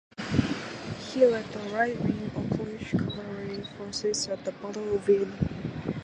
He led the right wing of Polish cavalry forces at the Battle of Vienna.